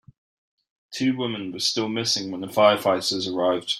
Two women were still missing when the firefighters arrived.